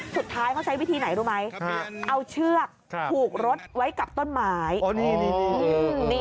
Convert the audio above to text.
สุดท้ายเขาใช้วิธีไหนรู้ไหมเอาเชือกผูกรถไว้กับต้นไม้